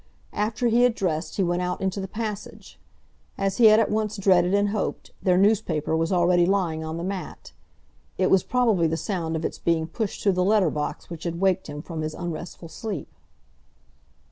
After he had dressed he went out into the passage. As he had at once dreaded and hoped, their newspaper was already lying on the mat. It was probably the sound of its being pushed through the letter box which had waked him from his unrestful sleep.